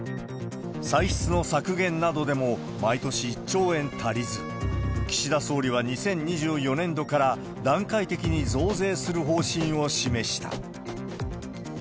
歳出の削減などでも、毎年１兆円足りず、岸田総理は２０２４年度から、段階的に増税する方針を示した。